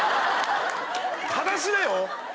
正しなよ！？